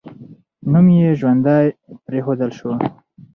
نوم یې ژوندی پرېښودل سو.